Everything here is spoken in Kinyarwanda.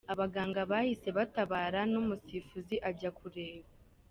Abaganga bahise batabara n'umusifuzi ajya kureba .